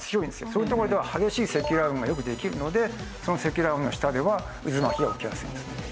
そういう所では激しい積乱雲がよくできるのでその積乱雲の下では渦巻きが起きやすいんです。